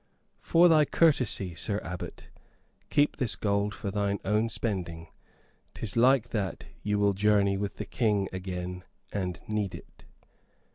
"For thy courtesy, Sir Abbot, keep this gold for thine own spending. 'Tis like that you will journey with the King again, and need it."